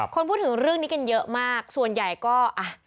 คนพูดถึงเรื่องนี้กันเยอะมากส่วนใหญ่ก็อ่ะ